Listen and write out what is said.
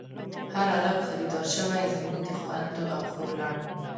هر عرب خریدار شوۍ، زمونږ د خوندو او خور لڼو